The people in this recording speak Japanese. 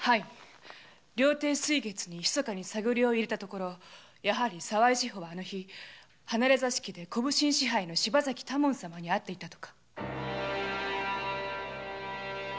料亭・水月にひそかに探りを入れたところやはり沢井志保はあの日離れ座敷で小普請支配の柴崎多聞様に会っていたと。